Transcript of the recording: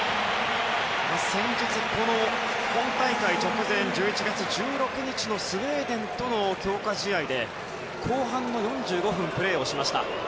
先日、本大会直前１１月１６日のスウェーデンとの強化試合で後半の４５分プレーをしました。